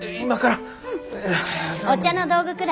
今から？